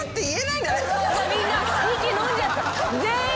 みんな息のんじゃった。